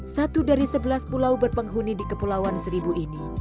satu dari sebelas pulau berpenghuni di kepulauan seribu ini